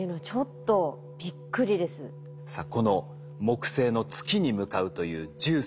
さあこの木星の月に向かうというＪＵＩＣＥ。